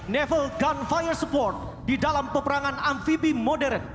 naval gunfire support di dalam peperangan amfibi modern